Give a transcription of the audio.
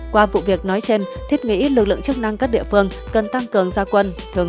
qua vụ việc nói trên thiết nghĩ lực lượng chức năng các địa phương cần tăng cường gia quân